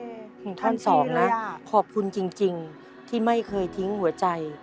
ของท่านสองนะขอบคุณจริงที่ไม่เคยทิ้งหัวใจ